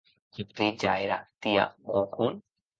A partit ja era tia Bougon?